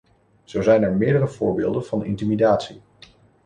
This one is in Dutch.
Zo zijn er meerdere voorbeelden van intimidatie.